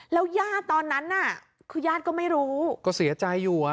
แล้วย่าตอนนั้นน่ะคือย่าดก็ไม่รู้ก็เสียใจอยู่อ่ะ